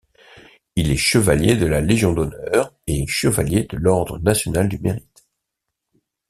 Il est Chevalier de la Légion d’honneur et Chevalier de l’Ordre national du Mérite.